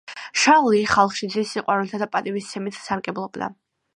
შარლი ხალხში დიდი სიყვარულითა და პატივისცემით სარგებლობდა.